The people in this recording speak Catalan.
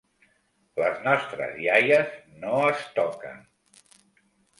"Les nostres iaies no es toquen!"